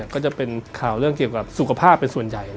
ก็จะเป็นข่าวเรื่องเกี่ยวกับสุขภาพเป็นส่วนใหญ่